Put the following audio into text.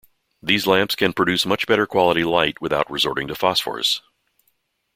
These lamps can produce much better quality light without resorting to phosphors.